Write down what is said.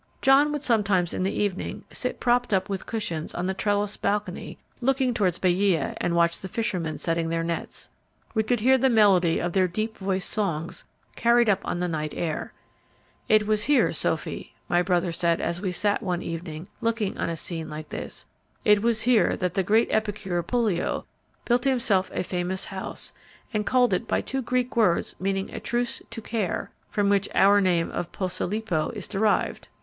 John would sometimes in the evening sit propped up with cushions on the trellised balcony looking towards Baia, and watch the fishermen setting their nets. We could hear the melody of their deep voiced songs carried up on the night air. "It was here, Sophy," my brother said, as we sat one evening looking on a scene like this, "It was here that the great epicure Pollio built himself a famous house, and called it by two Greek words meaning a 'truce to care,' from which our name of Posilipo is derived.